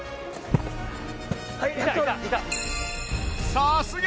さすが！